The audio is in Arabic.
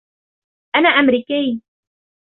أنا أمريكي